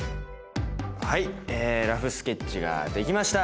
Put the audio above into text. はいラフスケッチが出来ました！